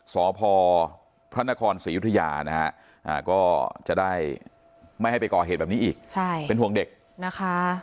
สพพระนครศรียุธยานะฮะก็จะได้ไม่ให้ไปก่อเหตุแบบนี้อีกเป็นห่วงเด็กนะคะ